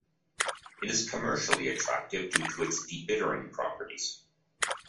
It is commercially attractive due to its debittering properties.